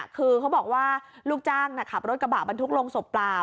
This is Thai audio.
คือเขาบอกว่าลูกจ้างขับรถกระบะบรรทุกลงศพเปล่า